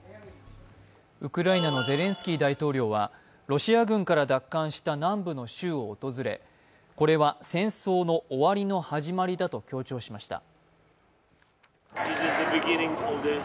ウクライナのゼレンスキー大統領はロシア軍から奪還した南部の州を訪れ、これは戦争の終わりの始まりだと強調しました。